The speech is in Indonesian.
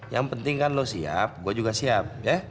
yang penting kan lo siap gue juga siap ya